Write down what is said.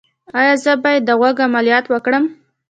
ایا زه باید د غوږ عملیات وکړم؟